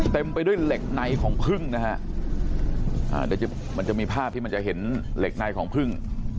เต็มไปด้วยเหล็กในของพึ่งนะฮะอ่าเดี๋ยวมันจะมีภาพที่มันจะเห็นเหล็กในของพึ่ง